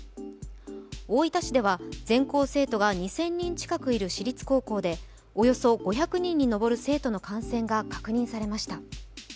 大分市では全校生徒が２０００人近くいる私立高校でおよそ５００人にのぼる生徒の感染が確認されました。